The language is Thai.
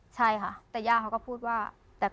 ใช่แต่ย่าเขาก็ว่า